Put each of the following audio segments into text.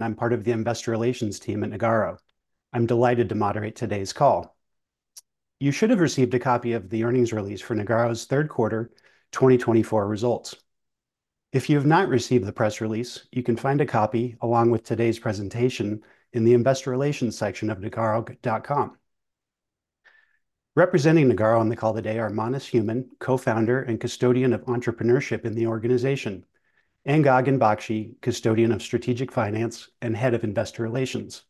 I'm part of the Investor Relations team at Nagarro. I'm delighted to moderate today's call. You should have received a copy of the earnings release for Nagarro's Third Quarter 2024 Results. If you have not received the press release, you can find a copy along with today's presentation in the Investor Relations section of nagarro.com. Representing Nagarro on the call today are Manas Human, co-founder and custodian of entrepreneurship in the organization, and Gagan Bakshi, custodian of strategic finance and head of investor relations.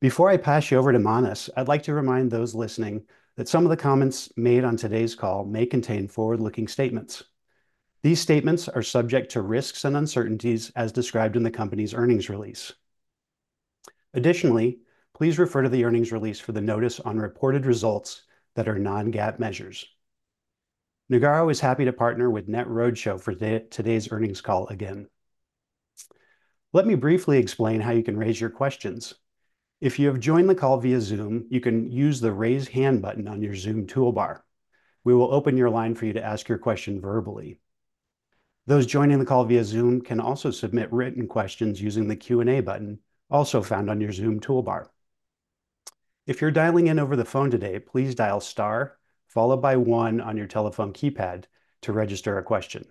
Before I pass you over to Manas, I'd like to remind those listening that some of the comments made on today's call may contain forward-looking statements. These statements are subject to risks and uncertainties, as described in the company's earnings release. Additionally, please refer to the earnings release for the notice on reported results that are non-GAAP measures. Nagarro is happy to partner with NetRoadshow for today's earnings call again. Let me briefly explain how you can raise your questions. If you have joined the call via Zoom, you can use the Raise Hand button on your Zoom toolbar. We will open your line for you to ask your question verbally. Those joining the call via Zoom can also submit written questions using the Q&A button also found on your Zoom toolbar. If you're dialing in over the phone today, please dial star followed by one on your telephone keypad to register a question.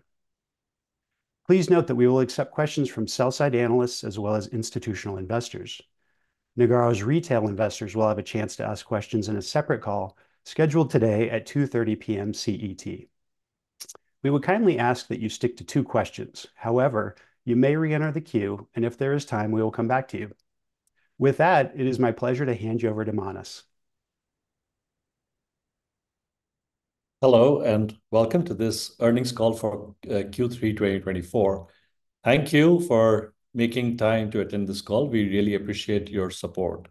Please note that we will accept questions from sell-side analysts as well as institutional investors. Nagarro's retail investors will have a chance to ask questions in a separate call scheduled today at 2:30 P.M. CET. We would kindly ask that you stick to two questions. However, you may re-enter the queue, and if there is time, we will come back to you. With that, it is my pleasure to hand you over to Manas. Hello and welcome to this earnings call for Q3 2024. Thank you for making time to attend this call. We really appreciate your support.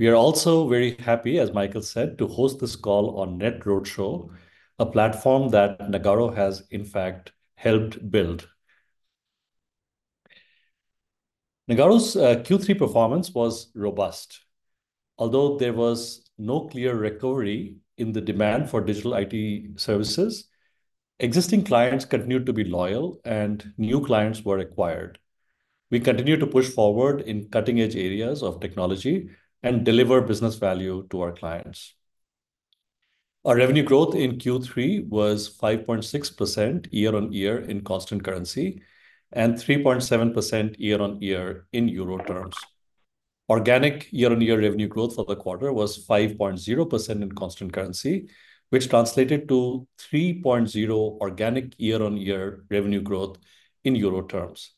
We are also very happy, as Michael said, to host this call on NetRoadshow, a platform that Nagarro has, in fact, helped build. Nagarro's Q3 performance was robust. Although there was no clear recovery in the demand for digital IT services, existing clients continued to be loyal, and new clients were acquired. We continue to push forward in cutting-edge areas of technology and deliver business value to our clients. Our revenue growth in Q3 was 5.6% year-on-year in constant currency and 3.7% year-on-year in euro terms. Organic year-on-year revenue growth for the quarter was 5.0% in constant currency, which translated to 3.0% organic year-on-year revenue growth in euro terms.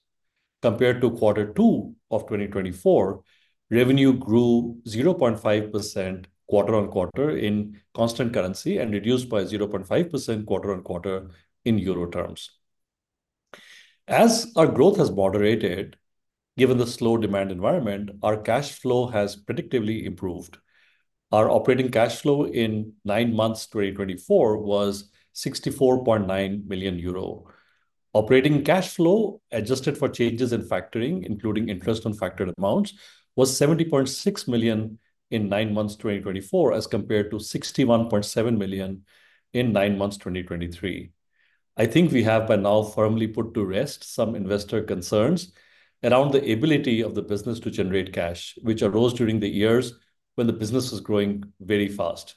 Compared to quarter two of 2024, revenue grew 0.5% quarter-on-quarter in constant currency and reduced by 0.5% quarter-on-quarter in euro terms. As our growth has moderated, given the slow demand environment, our cash flow has predictably improved. Our operating cash flow in nine months 2024 was 64.9 million euro. Operating cash flow, adjusted for changes in factoring, including interest on factored amounts, was 70.6 million in nine months 2024, as compared to 61.7 million in nine months 2023. I think we have by now firmly put to rest some investor concerns around the ability of the business to generate cash, which arose during the years when the business was growing very fast.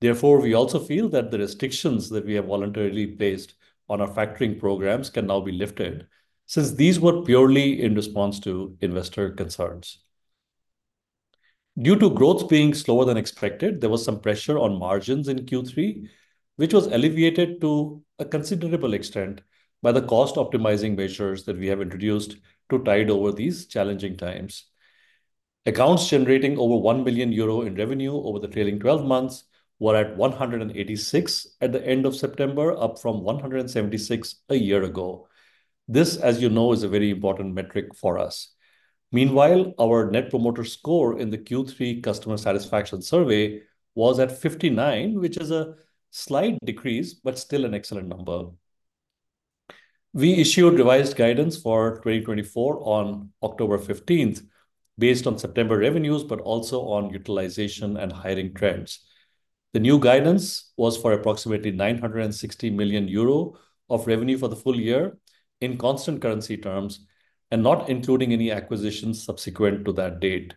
Therefore, we also feel that the restrictions that we have voluntarily placed on our factoring programs can now be lifted, since these were purely in response to investor concerns. Due to growth being slower than expected, there was some pressure on margins in Q3, which was alleviated to a considerable extent by the cost-optimizing measures that we have introduced to tide over these challenging times. Accounts generating over €1 billion in revenue over the trailing 12 months were at 186 at the end of September, up from 176 a year ago. This, as you know, is a very important metric for us. Meanwhile, our Net Promoter Score in the Q3 customer satisfaction survey was at 59, which is a slight decrease, but still an excellent number. We issued revised guidance for 2024 on October 15th, based on September revenues, but also on utilization and hiring trends. The new guidance was for approximately €960 million of revenue for the full year in constant currency terms, and not including any acquisitions subsequent to that date.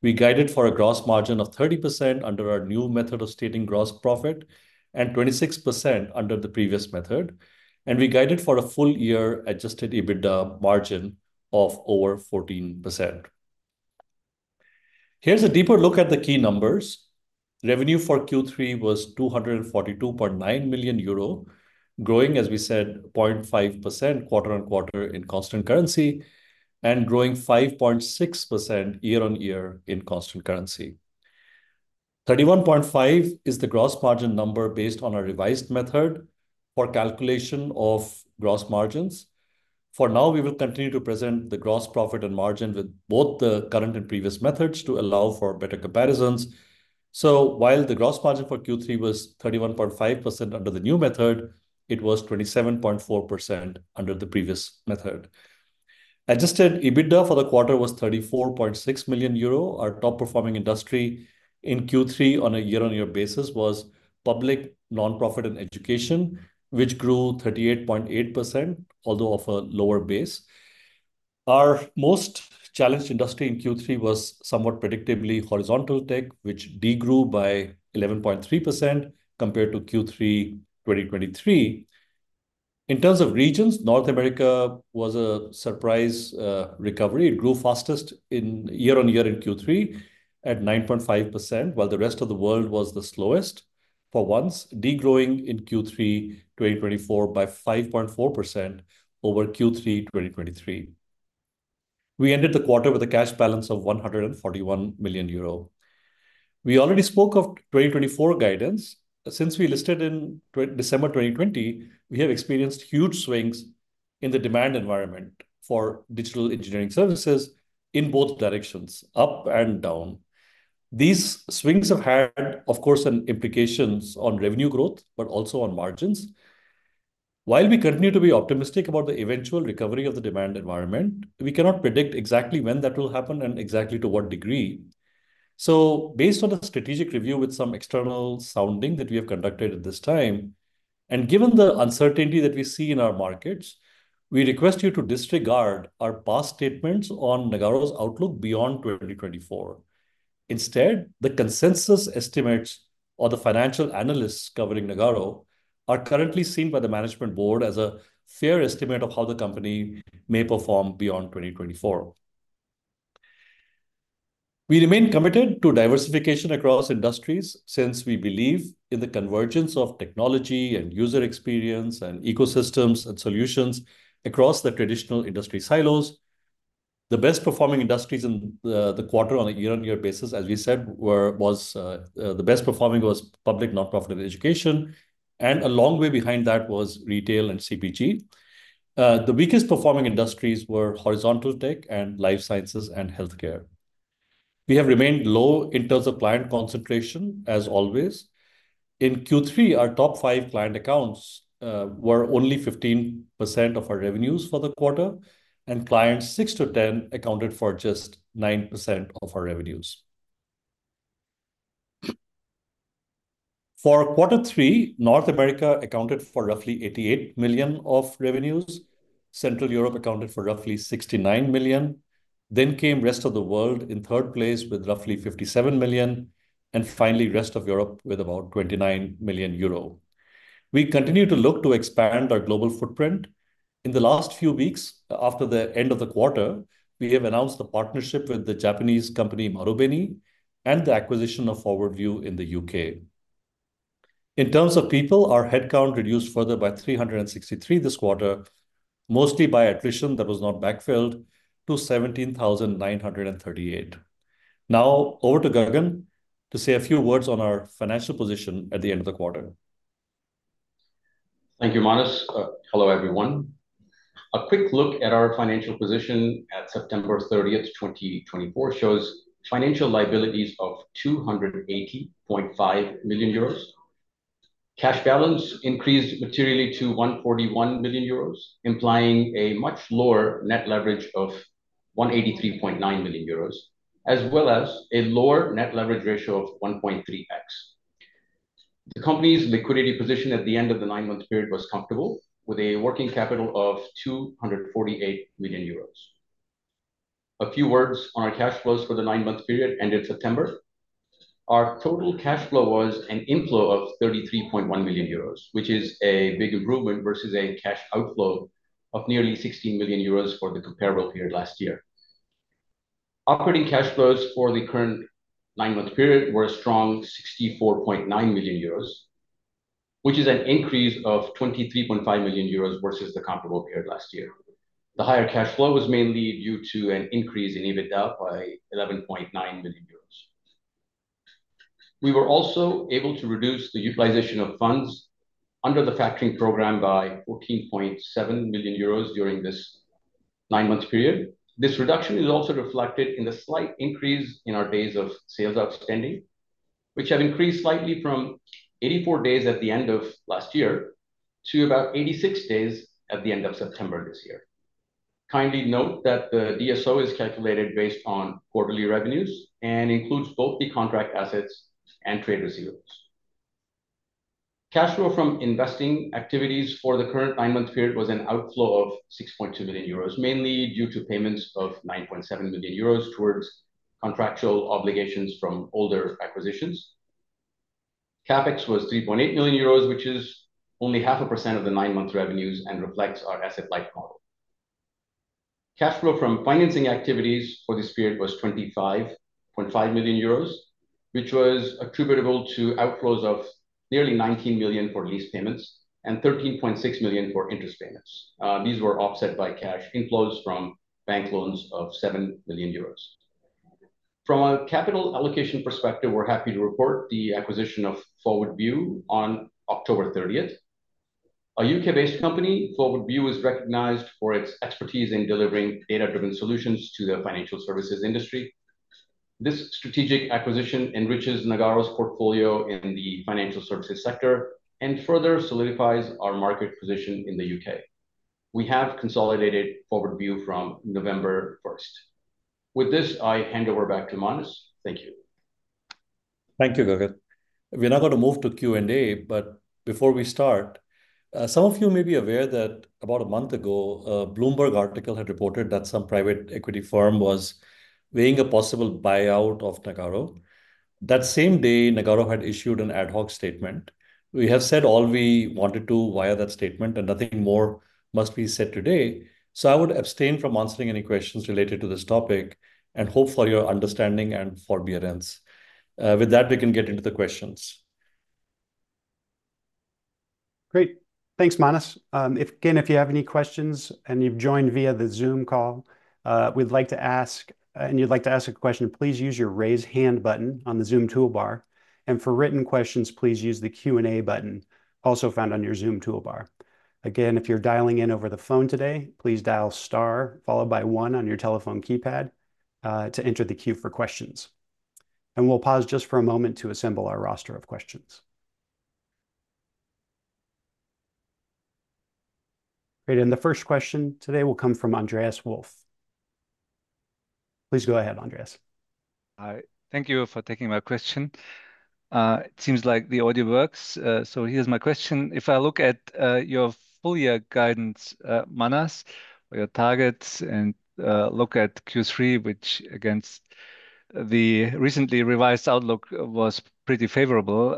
We guided for a gross margin of 30% under our new method of stating gross profit and 26% under the previous method, and we guided for a full-year Adjusted EBITDA margin of over 14%. Here's a deeper look at the key numbers. Revenue for Q3 was 242.9 million euro, growing, as we said, 0.5% quarter-on-quarter in constant currency and growing 5.6% year-on-year in constant currency. 31.5% is the gross margin number based on our revised method for calculation of gross margins. For now, we will continue to present the gross profit and margin with both the current and previous methods to allow for better comparisons. So, while the gross margin for Q3 was 31.5% under the new method, it was 27.4% under the previous method. Adjusted EBITDA for the quarter was 34.6 million euro. Our top-performing industry in Q3 on a year-on-year basis was public nonprofit and education, which grew 38.8%, although off a lower base. Our most challenged industry in Q3 was somewhat predictably horizontal tech, which degrew by 11.3% compared to Q3 2023. In terms of regions, North America was a surprise recovery. It grew fastest year-on-year in Q3 at 9.5%, while the rest of the world was the slowest for once, degrowing in Q3 2024 by 5.4% over Q3 2023. We ended the quarter with a cash balance of €141 million. We already spoke of 2024 guidance. Since we listed in December 2020, we have experienced huge swings in the demand environment for digital engineering services in both directions, up and down. These swings have had, of course, implications on revenue growth, but also on margins. While we continue to be optimistic about the eventual recovery of the demand environment, we cannot predict exactly when that will happen and exactly to what degree. So, based on a strategic review with some external sounding that we have conducted at this time, and given the uncertainty that we see in our markets, we request you to disregard our past statements on Nagarro's outlook beyond 2024. Instead, the consensus estimates of the financial analysts covering Nagarro are currently seen by the management board as a fair estimate of how the company may perform beyond 2024. We remain committed to diversification across industries since we believe in the convergence of technology and user experience and ecosystems and solutions across the traditional industry silos. The best-performing industries in the quarter-on-a-year basis, as we said, was the best-performing public nonprofit and education, and a long way behind that was retail and CPG. The weakest-performing industries were horizontal tech and life sciences and healthcare. We have remained low in terms of client concentration, as always. In Q3, our top five client accounts were only 15% of our revenues for the quarter, and clients 6 to 10 accounted for just 9% of our revenues. For quarter three, North America accounted for roughly 88 million of revenues. Central Europe accounted for roughly 69 million. Then came the rest of the world in third place with roughly 57 million, and finally, the rest of Europe with about 29 million euro. We continue to look to expand our global footprint. In the last few weeks, after the end of the quarter, we have announced a partnership with the Japanese company Marubeni and the acquisition of FWD View in the UK. In terms of people, our headcount reduced further by 363 this quarter, mostly by attrition that was not backfilled to 17,938. Now, over to Gagan to say a few words on our financial position at the end of the quarter. Thank you, Manas. Hello, everyone. A quick look at our financial position at September 30th, 2024, shows financial liabilities of 280.5 million euros. Cash balance increased materially to 141 million euros, implying a much lower net leverage of 183.9 million euros, as well as a lower net leverage ratio of 1.3x. The company's liquidity position at the end of the nine-month period was comfortable, with a working capital of 248 million euros. A few words on our cash flows for the nine-month period ended September. Our total cash flow was an inflow of 33.1 million euros, which is a big improvement versus a cash outflow of nearly 16 million euros for the comparable period last year. Operating cash flows for the current nine-month period were a strong 64.9 million euros, which is an increase of 23.5 million euros versus the comparable period last year. The higher cash flow was mainly due to an increase in EBITDA by 11.9 million euros. We were also able to reduce the utilization of funds under the factoring program by 14.7 million euros during this nine-month period. This reduction is also reflected in the slight increase in our days of sales outstanding, which have increased slightly from 84 days at the end of last year to about 86 days at the end of September this year. Kindly note that the DSO is calculated based on quarterly revenues and includes both the contract assets and trade receivables. Cash flow from investing activities for the current nine-month period was an outflow of 6.2 million euros, mainly due to payments of 9.7 million euros towards contractual obligations from older acquisitions. CapEx was 3.8 million euros, which is only 0.5% of the nine-month revenues and reflects our asset-like model. Cash flow from financing activities for this period was 25.5 million euros, which was attributable to outflows of nearly 19 million for lease payments and 13.6 million for interest payments. These were offset by cash inflows from bank loans of 7 million euros. From a capital allocation perspective, we're happy to report the acquisition of ForwardView on October 30th. A UK-based company, ForwardView, is recognized for its expertise in delivering data-driven solutions to the financial services industry. This strategic acquisition enriches Nagarro's portfolio in the financial services sector and further solidifies our market position in the UK. We have consolidated ForwardView from November 1st. With this, I hand over back to Manas. Thank you. Thank you, Gagan. We're now going to move to Q&A, but before we start, some of you may be aware that about a month ago, a Bloomberg article had reported that some private equity firm was weighing a possible buyout of Nagarro. That same day, Nagarro had issued an ad hoc statement. We have said all we wanted to via that statement, and nothing more must be said today. So I would abstain from answering any questions related to this topic and hope for your understanding and forbearance. With that, we can get into the questions. Great. Thanks, Manas. Again, if you have any questions and you've joined via the Zoom call, we'd like to ask, and you'd like to ask a question, please use your raise hand button on the Zoom toolbar. And for written questions, please use the Q&A button also found on your Zoom toolbar. Again, if you're dialing in over the phone today, please dial star followed by one on your telephone keypad to enter the queue for questions. And we'll pause just for a moment to assemble our roster of questions. Great. And the first question today will come from Andreas Wolf. Please go ahead, Andreas. Hi. Thank you for taking my question. It seems like the audio works. So here's my question. If I look at your full-year guidance, Manas, or your targets and look at Q3, which against the recently revised outlook was pretty favorable,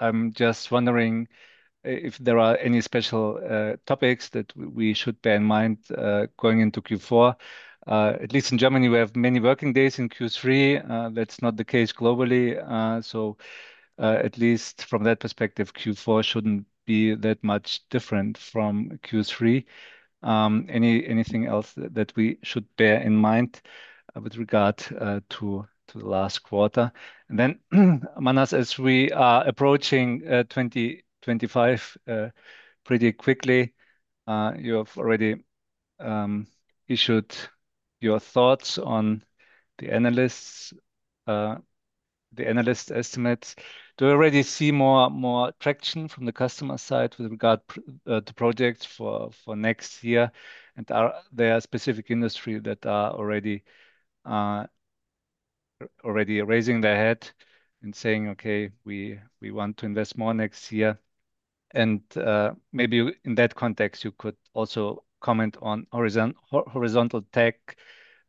I'm just wondering if there are any special topics that we should bear in mind going into Q4. At least in Germany, we have many working days in Q3. That's not the case globally. So at least from that perspective, Q4 shouldn't be that much different from Q3. Anything else that we should bear in mind with regard to the last quarter? And then, Manas, as we are approaching 2025 pretty quickly, you have already issued your thoughts on the analysts' estimates. Do you already see more traction from the customer side with regard to projects for next year? Are there specific industries that are already raising their head and saying, "Okay, we want to invest more next year"? And maybe in that context, you could also comment on horizontal tech,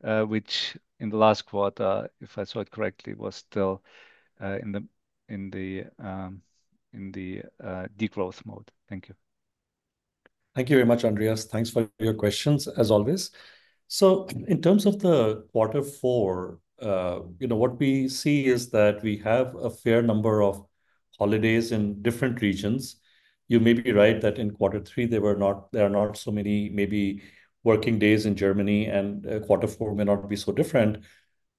which in the last quarter, if I saw it correctly, was still in the degrowth mode. Thank you. Thank you very much, Andreas. Thanks for your questions, as always. So in terms of the quarter four, what we see is that we have a fair number of holidays in different regions. You may be right that in quarter three, there are not so many maybe working days in Germany, and quarter four may not be so different.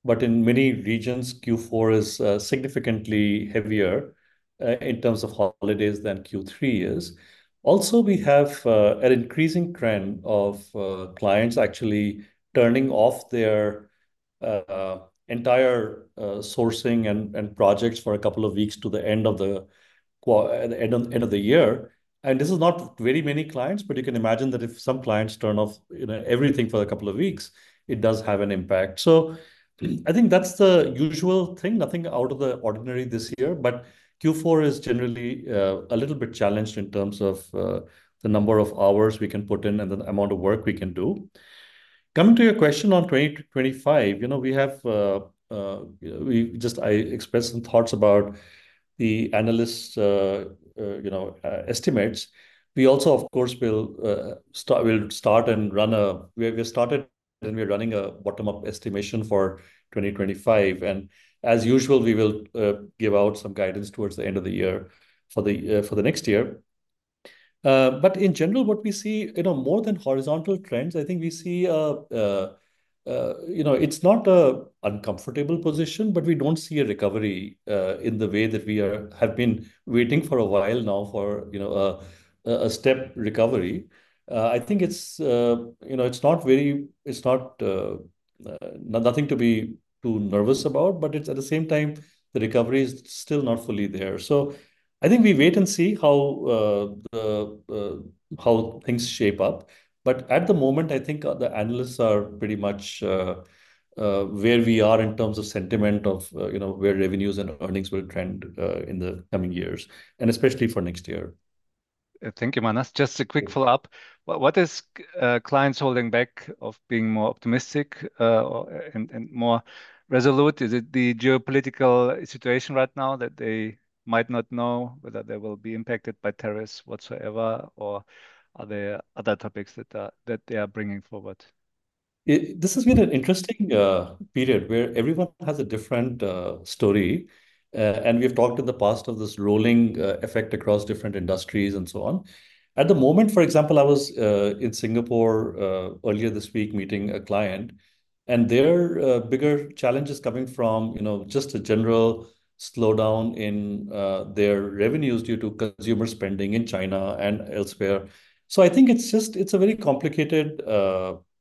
But in many regions, Q4 is significantly heavier in terms of holidays than Q3 is. Also, we have an increasing trend of clients actually turning off their entire sourcing and projects for a couple of weeks to the end of the year. And this is not very many clients, but you can imagine that if some clients turn off everything for a couple of weeks, it does have an impact. So I think that's the usual thing, nothing out of the ordinary this year. Q4 is generally a little bit challenged in terms of the number of hours we can put in and the amount of work we can do. Coming to your question on 2025, we have just expressed some thoughts about the analysts' estimates. We also, of course, started and we're running a bottom-up estimation for 2025. And as usual, we will give out some guidance towards the end of the year for the next year. But in general, what we see, more than horizontal trends, I think we see it's not an uncomfortable position, but we don't see a recovery in the way that we have been waiting for a while now for a step recovery. I think it's not nothing to be too nervous about, but at the same time, the recovery is still not fully there. So I think we wait and see how things shape up. But at the moment, I think the analysts are pretty much where we are in terms of sentiment of where revenues and earnings will trend in the coming years, and especially for next year. Thank you, Manas. Just a quick follow-up. What is holding clients back from being more optimistic and more resolute? Is it the geopolitical situation right now that they might not know whether they will be impacted by tariffs whatsoever, or are there other topics that they are bringing forward? This has been an interesting period where everyone has a different story, and we've talked in the past of this rolling effect across different industries and so on. At the moment, for example, I was in Singapore earlier this week meeting a client, and their bigger challenge is coming from just a general slowdown in their revenues due to consumer spending in China and elsewhere, so I think it's just a very complicated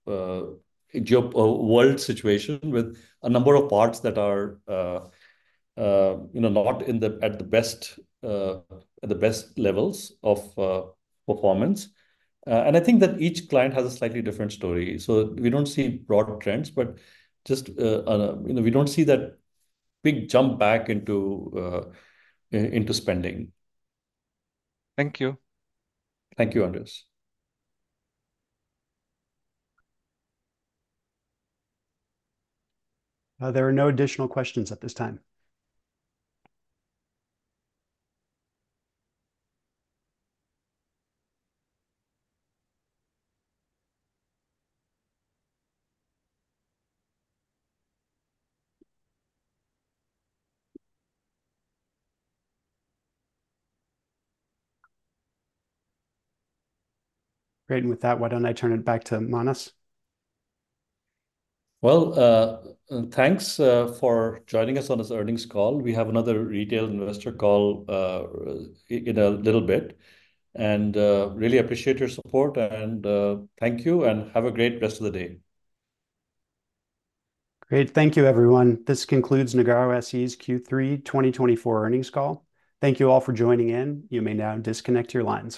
world situation with a number of parts that are not at the best levels of performance, and I think that each client has a slightly different story, so we don't see broad trends, but just we don't see that big jump back into spending. Thank you. Thank you, Andreas. There are no additional questions at this time. Great. And with that, why don't I turn it back to Manas? Thanks for joining us on this earnings call. We have another retail investor call in a little bit. We really appreciate your support. Thank you, and have a great rest of the day. Great. Thank you, everyone. This concludes Nagarro SE's Q3 2024 earnings call. Thank you all for joining in. You may now disconnect your lines.